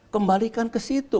kembalikan ke situ